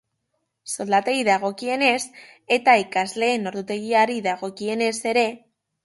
Soldatei dagokienez eta ikasleen ordutegiari dagokionez ere.